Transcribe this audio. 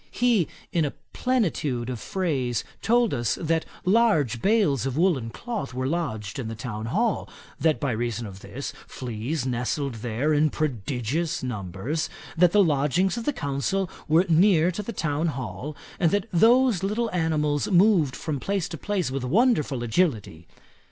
He in a plenitude of phrase told us, that large bales of woollen cloth were lodged in the town hall; that by reason of this, fleas nestled there in prodigious numbers; that the lodgings of the counsel were near to the town hall; and that those little animals moved from place to place with wonderful agility.